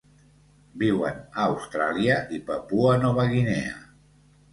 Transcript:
Viuen a Austràlia i Papua Nova Guinea.